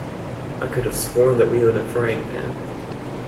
I could have sworn that we own a frying pan.